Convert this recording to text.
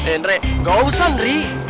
eh ndre gak usah ndre